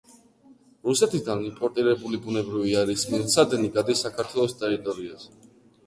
რუსეთიდან იმპორტირებული ბუნებრივი აირის მილსადენი გადის საქართველოს ტერიტორიაზე.